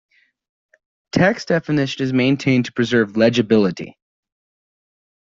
Text definition is maintained to preserve legibility.